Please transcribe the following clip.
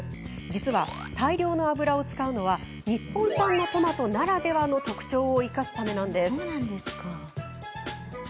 実は大量の油を使うのは日本産のトマトならではの特徴を生かすためなんです。